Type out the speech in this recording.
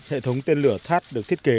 hệ thống tên lửa thắt được thiết kế